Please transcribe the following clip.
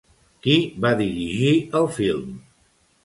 Qui va dirigir el film?